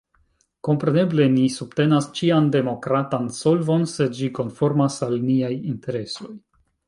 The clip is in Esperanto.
Kompreneble ni subtenas ĉian demokratan solvon, se ĝi konformas al niaj interesoj.